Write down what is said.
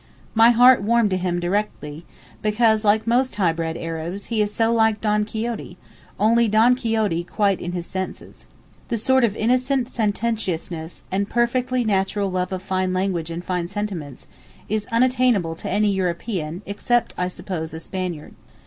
My heart warmed to him directly, because like most high bred Arabs, he is so like Don Quixote—only Don Quixote quite in his senses. The sort of innocent sententiousness, and perfectly natural love of fine language and fine sentiments is unattainable to any European, except, I suppose, a Spaniard.